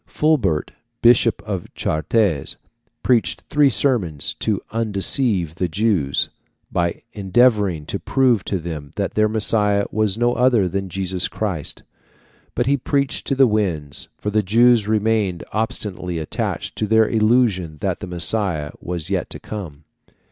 Fulbert, Bishop of Chartres, preached three sermons to undeceive the Jews, by endeavouring to prove to them that their Messiah was no other than Jesus Christ; but he preached to the winds, for the Jews remained obstinately attached to their illusion that the Messiah was yet to come.